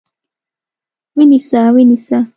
ونیسه! ونیسه!